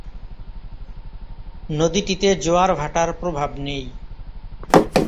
নদীটিতে জোয়ার ভাটার প্রভাব নেই।